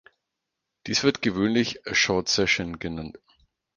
Dies wird gewöhnlich "a short session" genannt.